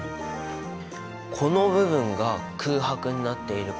この部分が空白になっていることとか。